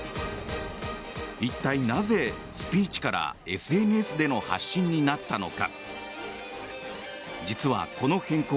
一体なぜ、スピーチからＳＮＳでの発信になったのか。